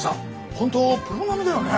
本当プロ並みだよねえ。